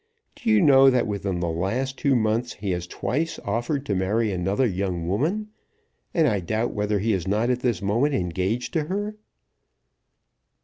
Do you know that within the last two months he has twice offered to marry another young woman, and I doubt whether he is not at this moment engaged to her?"